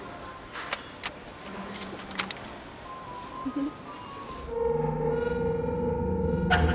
フフフ。